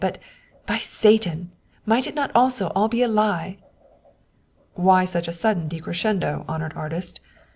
But, by Satan! might it not also be all a lie?" " Why such sudden decrescendo, honored artist